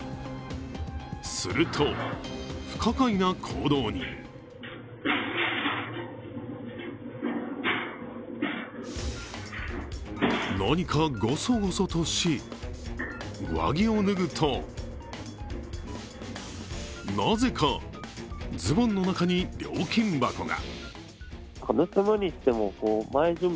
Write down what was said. すると、不可解な行動に何かゴソゴソとし、上着を脱ぐとなぜか、ズボンの中に料金箱が。